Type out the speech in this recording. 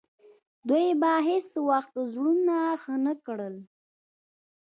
دوی به هیڅ وخت زړونه ښه نه کړي.